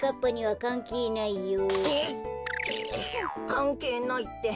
「かんけいない」って。